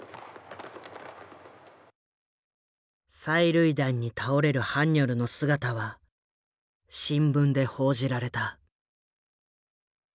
催涙弾に倒れるハンニョルの姿は新聞で報じられた。